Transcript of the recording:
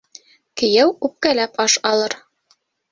Кейәү үпкәләп аш алыр.